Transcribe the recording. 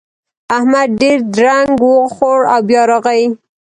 احمد ډېر درنګ وخوړ او بيا راغی.